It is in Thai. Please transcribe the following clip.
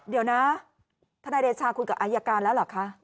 เดี๋ยวนะทนายเดชาคุยกับอายการแล้วเหรอคะ